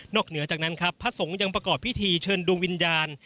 เหนือจากนั้นครับพระสงฆ์ยังประกอบพิธีเชิญดวงวิญญาณ